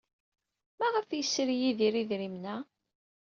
Maɣef ay yesri Yidir idrimen-a?